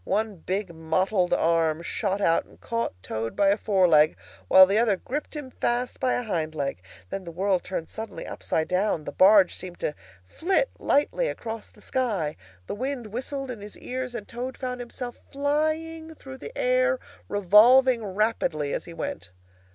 One big mottled arm shot out and caught Toad by a fore leg, while the other gripped him fast by a hind leg. Then the world turned suddenly upside down, the barge seemed to flit lightly across the sky, the wind whistled in his ears, and Toad found himself flying through the air, revolving rapidly as he went.